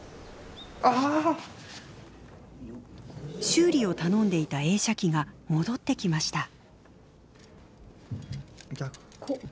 修理を頼んでいた映写機が戻ってきました。